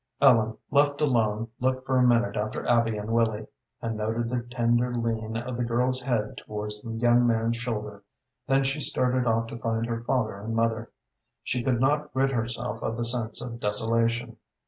Ellen, left alone, looked for a minute after Abby and Willy, and noted the tender lean of the girl's head towards the young man's shoulder; then she started off to find her father and mother. She could not rid herself of the sense of desolation.